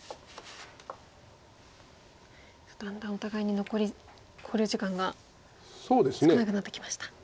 だんだんお互いに残り考慮時間が少なくなってきました。